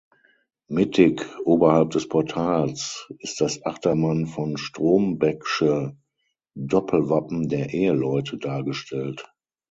Mittig oberhalb des Portals ist das Achtermann-von-Strombecksche-Doppelwappen der Eheleute dargestellt.